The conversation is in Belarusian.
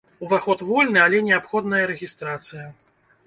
Уваход вольны, але неабходная рэгістрацыя.